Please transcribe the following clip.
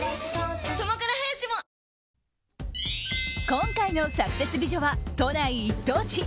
今回のサクセス美女は都内一等地。